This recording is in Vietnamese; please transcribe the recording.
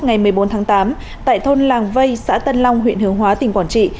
ngày một mươi bốn tháng tám tại thôn làng vây xã tân long huyện hướng hóa tỉnh quảng trị